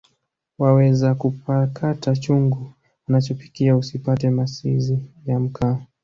Wawezakupakata chungu anachopikia usipate masizi ya mkaa